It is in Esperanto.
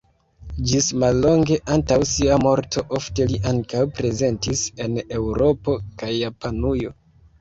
Ĝis mallonge antaŭ sia morto ofte li ankaŭ prezentis en Eŭropo kaj Japanujo.